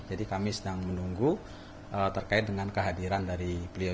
jadi kami sedang menunggu terkait dengan kehadiran dari beliau